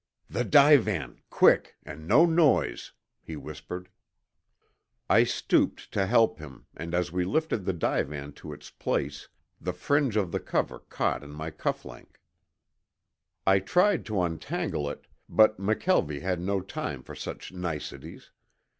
"The divan, quick, and no noise," he whispered. I stooped to help him and as we lifted the divan to its place the fringe of the cover caught in my cuff link. I tried to untangle it, but McKelvie had no time for such niceties.